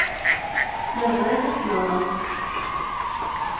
Ma bɣiɣ, ad k-nɣen.